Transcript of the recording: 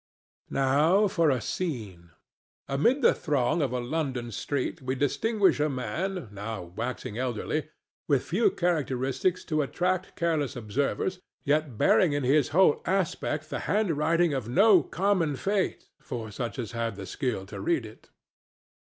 Now for a scene. Amid the throng of a London street we distinguish a man, now waxing elderly, with few characteristics to attract careless observers, yet bearing in his whole aspect the handwriting of no common fate for such as have the skill to read it.